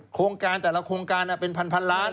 โครงการแต่ละโครงการเป็นพันล้าน